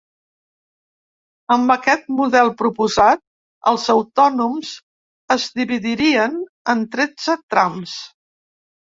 Amb aquest model proposat, els autònoms es dividirien en tretze trams.